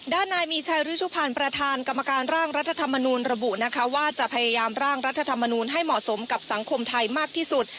ด้านนายมีชัยรุชุพันธ์ประธานกรรมการร่างรัฐธรรมนูลระบุนะคะว่าจะพยายามร่างรัฐธรรมนูลให้เหมาะสมกับสังคมไทยมากที่สุด